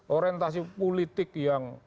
orientasi politik yang